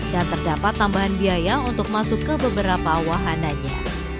dan terdapat tambahan biaya untuk masuk ke beberapa wahananya